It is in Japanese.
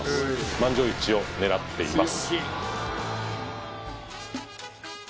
満場一致を狙っています